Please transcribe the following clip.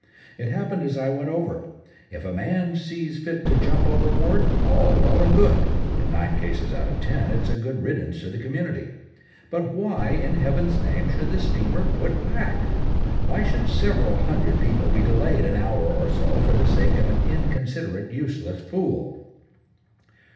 It happened as I went over. If a man sees fit to jump overboard, all well and good; in nine cases out of ten it's a good riddance to the community. But why in Heaven's name should the steamer put back? Why should several hundred people be delayed an hour or so for the sake of an inconsiderate, useless fool?"